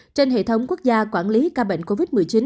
trên hệ thống quốc gia quản lý ca bệnh covid một mươi chín